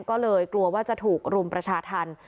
ก็เลยกลัวว่าจะถูกรุมประชาธรรม